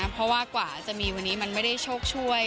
เพราะว่ากว่าจะมีวันนี้มันไม่ได้โชคช่วย